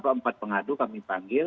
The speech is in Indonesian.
empat pengadu kami panggil